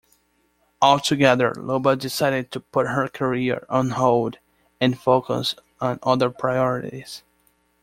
Altogether, Luba decided to put her career on hold and focus on other priorities.